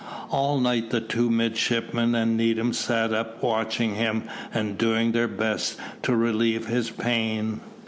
All night the two midshipmen and Needham sat up watching him, and doing their best to relieve his pain.